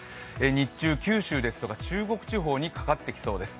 日中、九州ですとか中国地方にかかってきそうです。